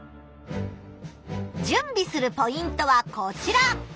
じゅんびするポイントはこちら！